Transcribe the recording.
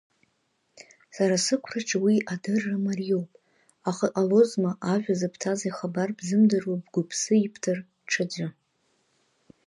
Сара сықәраҿы уи адырра мариоуп, аха иҟалозма ажәа зыбҭаз ихабар бзымдыруа бгәы-быԥсы ибҭар ҽаӡәы.